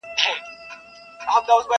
پر وطن باندي موږ تېر تر سر او تن یو!.